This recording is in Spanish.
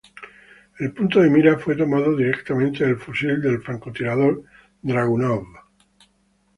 El punto de mira fue tomado directamente del Fusil de francotirador Dragunov.